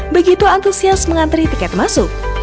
begitu antusias mengantri tiket masuk